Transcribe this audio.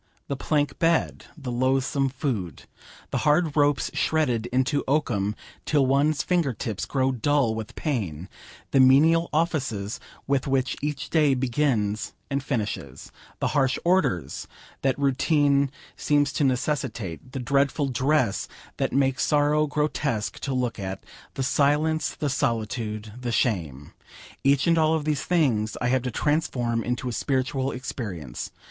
The plank bed, the loathsome food, the hard ropes shredded into oakum till one's finger tips grow dull with pain, the menial offices with which each day begins and finishes, the harsh orders that routine seems to necessitate, the dreadful dress that makes sorrow grotesque to look at, the silence, the solitude, the shame each and all of these things I have to transform into a spiritual experience.